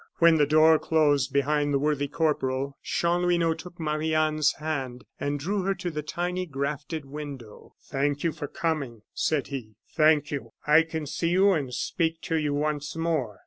When the door closed behind the worthy corporal, Chanlouineau took Marie Anne's hand and drew her to the tiny grafted window. "Thank you for coming," said he, "thank you. I can see you and speak to you once more.